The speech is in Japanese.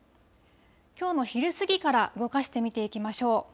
きょうの昼過ぎから動かして見ていきましょう。